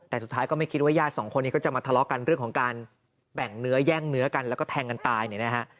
แต่สุดท้ายก็ไม่คิดว่าญาติสองคนนี้ก็จะมาทะเลาะกันเรื่องของการแบ่งเนื้อแย่งเนื้อกันแล้วก็แทงกันตายเนี่ยนะฮะ